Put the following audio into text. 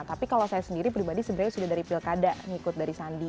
tapi kalau saya sendiri pribadi sebenarnya sudah dari pilkada ngikut dari sandi